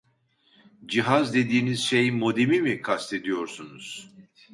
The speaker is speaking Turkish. Cihaz dediğiniz şey modemi mi kastediyorsunuz?